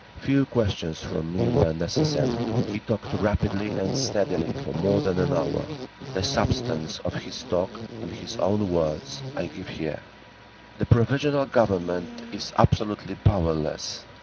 Few questions from me were necessary; he talked rapidly and steadily, for more than an hour. The substance of his talk, in his own words, I give here: "The Provisional Government is absolutely powerless.